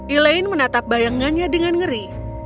elaine menatap bayangannya dengan ngeri